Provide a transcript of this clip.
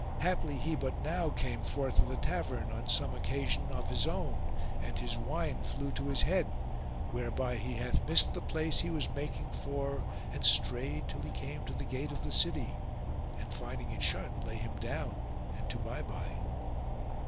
Haply he but now came forth of the tavern on some occasion of his own and his wine flew to his head,[FN#432] whereby he hath missed the place he was making for and strayed till he came to the gate of the city; and finding it shut lay him down and went to by by!"